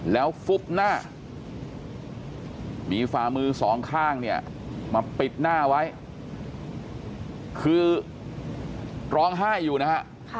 แล้วฟุบหน้ามีฝ่ามือสองข้างเนี่ยมาปิดหน้าไว้คือร้องไห้อยู่นะฮะ